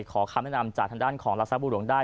ขอคำแนะนำจากทางด้านของลักษณะบุหรวงได้